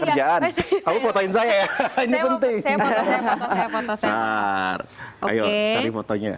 kerjaan dulu sama kamu prat oke kalau dokter enteng badannya segitu